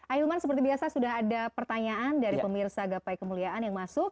ailman seperti biasa sudah ada pertanyaan dari pemirsa gapai kemuliaan yang masuk